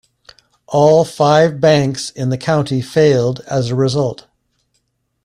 All five banks in the county failed as a result.